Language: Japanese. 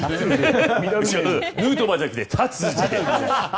ヌートバーじゃなくてタツジで。